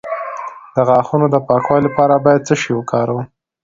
د غاښونو د پاکوالي لپاره باید څه شی وکاروم؟